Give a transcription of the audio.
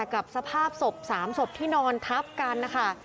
กับสภาพศพ๓ศพที่นอนทับกันนะคะ